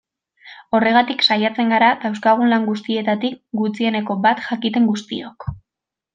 Horregatik saiatzen gara dauzkagun lan guztietatik gutxieneko bat jakiten guztiok.